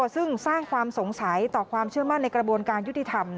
ซึ่งสร้างความสงสัยต่อความเชื่อมั่นในกระบวนการยุติธรรม